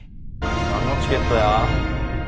なんのチケットや？